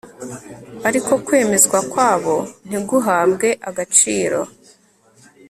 ariko kwemezwa kwabo ntiguhabwe agaciro